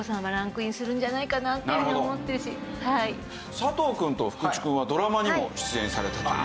佐藤くんと福地くんはドラマにも出演されたという事。